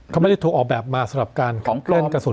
เขาไม่ได้โทรออกแบบมาสำหรับการการกระสุน